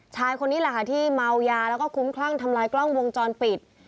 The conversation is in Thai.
ชายคนนี้แหละค่ะที่เมายาแล้วก็คุ้มคลั่งทำลายกล้องวงจรปิด